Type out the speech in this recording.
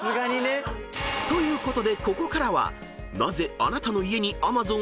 ［ということでここからは］